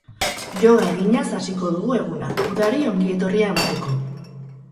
Yoga eginaz hasiko dugu eguna, udari ongi etorria emateko.